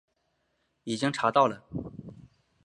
已经查到了